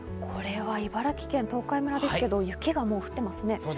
これは茨城県東海村ですけど雪が降ってますね。